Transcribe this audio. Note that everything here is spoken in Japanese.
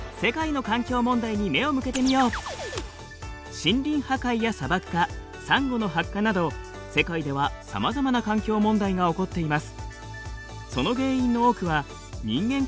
森林破壊や砂漠化サンゴの白化など世界ではさまざまな環境問題が起こっています。